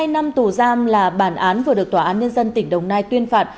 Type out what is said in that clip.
một mươi năm tù giam là bản án vừa được tòa án nhân dân tỉnh đồng nai tuyên phạt